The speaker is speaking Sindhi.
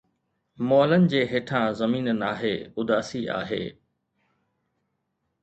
مئلن جي هيٺان زمين ناهي، اداسي آهي